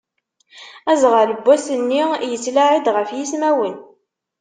Azɣal n wass-nni yettlaɛi-d ɣef yismawen.